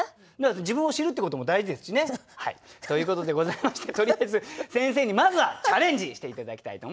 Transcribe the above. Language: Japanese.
自分を知るってことも大事ですしね。ということでございましてとりあえず先生にまずはチャレンジして頂きたいと思います。